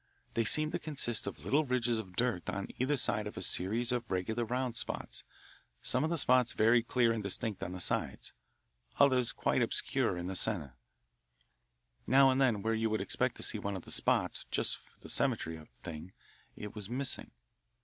They seemed to consist of little ridges of dirt on either side of a series of regular round spots, some of the spots very clear and distinct on the sides, others quite obscure in the centre. Now and then where you would expect to see one of the spots, just for the symmetry of the thing, it was missing.